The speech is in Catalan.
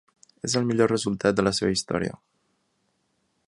És el millor resultat de la seva història.